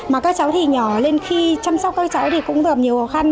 mà các cháu thì nhỏ lên khi chăm sóc các cháu thì cũng gặp nhiều khó khăn